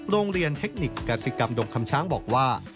โรงเรียนเทคนิคกษิกรรมดงคำช้างบอกว่า